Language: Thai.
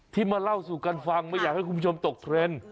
มาเล่าสู่กันฟังไม่อยากให้คุณผู้ชมตกเทรนด์